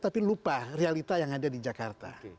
tapi lupa realita yang ada di jakarta